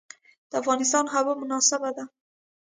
د افغانستان هوا مناسبه ده.